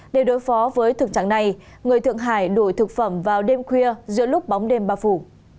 để đối phó với thực trạng này người thượng hải đổi thực phẩm vào đêm khuya giữa lúc bóng đêm bao phủ